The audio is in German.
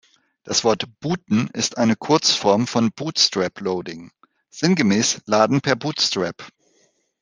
Das Wort "booten" ist eine Kurzform von "bootstrap loading", sinngemäß "laden per Bootstrap".